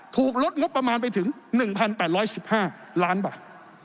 ถูกลดงบประมาณไปถึง๑๘๑๕ล้านบาท